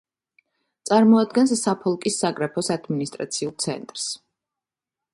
წარმოადგენს საფოლკის საგრაფოს ადმინისტრაციულ ცენტრს.